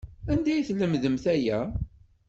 Anda ay lemdent aya?